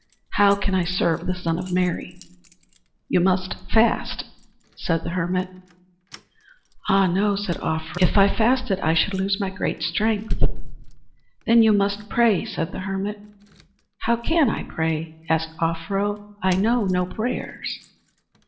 "How can I serve the Son of Mary?" "You must fast," said the hermit. "Ah, no!" said Offero. "If I fasted I should lose my great strength." "Then you must pray," said the hermit. "How can I pray?" asked Offero, "I know no prayers."